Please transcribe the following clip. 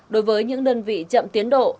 đối với những đơn vị chậm tiến độ